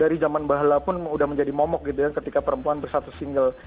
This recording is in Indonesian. dari zaman bahala pun udah menjadi momok gitu ya ketika perempuan bersatu single